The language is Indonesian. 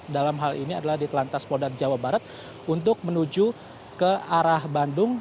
dalam hal ini adalah di telantas polda jawa barat untuk menuju ke arah bandung